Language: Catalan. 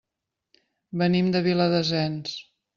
Venim de Viladasens.